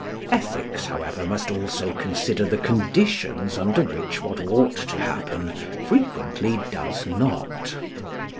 Ethics, however, must also consider the conditions under which what ought to happen frequently does not.